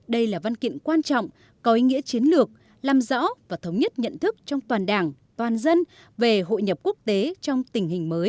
đây là văn kiện quan trọng có ý nghĩa chiến lược làm rõ và thống nhất nhận thức trong toàn đảng toàn dân về hội nhập quốc tế trong tình hình mới